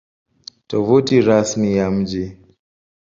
Tovuti Rasmi ya Mji